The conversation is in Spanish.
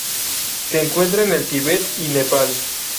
Se encuentra en el Tibet y Nepal.